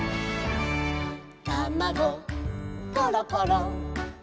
「たまごころころ」